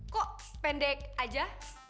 kok pendek aja